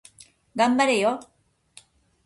頑張れよ